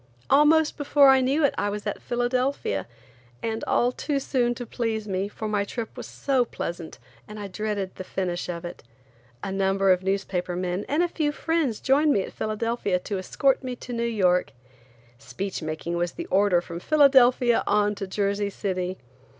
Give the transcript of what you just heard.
Almost before I knew it I was at Philadelphia, and all too soon to please me, for my trip was so pleasant I dreaded the finish of it. A number of newspaper men and a few friends joined me at Philadelphia to escort me to New York. Speech making was the order from Philadelphia on to Jersey City.